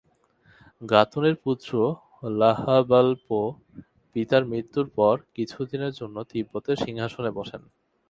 গা-তুনের পুত্র ল্হা-বাল-পো পিতার মৃত্যুর পর কিছুদিনের জন্য তিব্বতের সিংহাসনে বসেন।